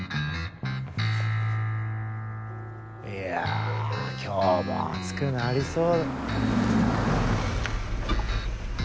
いや今日も暑くなりそう。